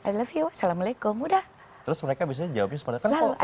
terus mereka bisa jawabnya